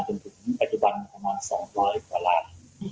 จนถึงปัจจุบันประมาณ๒๐๐กว่าลาย